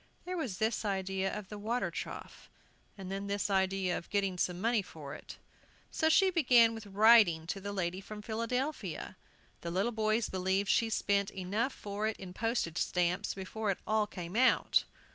There was this idea of the water trough, and then this idea of getting some money for it. So she began with writing to the lady from Philadelphia. The little boys believed she spent enough for it in postage stamps before it all came out.